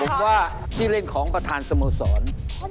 ผมว่าที่เล่นของประธานสโมสร